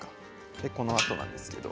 でこのあとなんですけど。